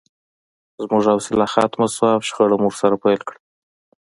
زموږ حوصله ختمه شوه او شخړه مو ورسره پیل کړه